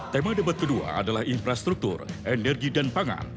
tema debat kedua adalah infrastruktur energi dan pangan